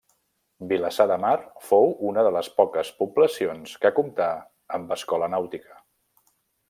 Vilassar de Mar fou una de les poques poblacions que comptà amb Escola Nàutica.